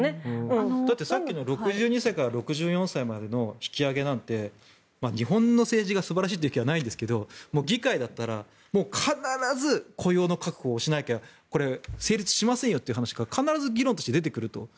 さっきの６２歳から６４歳までの引き上げなんて日本の政治が素晴らしいと言う気はないですけど議会だったら必ず雇用の確保をしなきゃこれ、成立しませんよという話が必ず議論で出てくると。